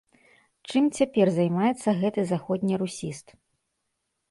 Чым цяпер займаецца гэты заходнерусіст?